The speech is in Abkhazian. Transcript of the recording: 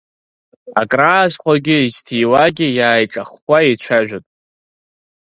Акраазхәогьы изҭиуагьы иааиҿаххуа еицәажәоит.